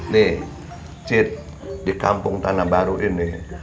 nih chit di kampung tanah baru ini